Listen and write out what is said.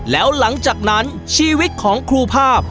แล้วหลังจากนั้นชีวิตของครูภาพ